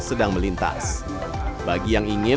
sedang melintas bagi yang ingin